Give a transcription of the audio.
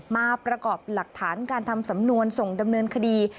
มาประกอบหลักฐานการทำสำนวนส่งดำเนินคดี